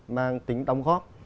mang tính đóng góp